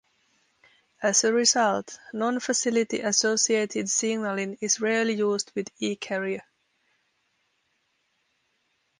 As a result, Non-Facility Associated Signaling is rarely used with E-carrier.